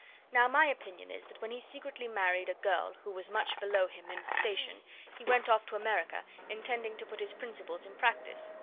Now, my opinion is that when he secretly married a girl who was much below him in station, he went off to America, intending to put his principles in practice.